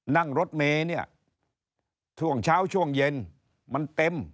นั่งรถเมย์เนี่ยช่วงเช้าช่วงเย็นมันเต็ม